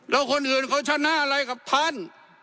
แล้วคนอื่นเขาชนะอะไรกับท่าน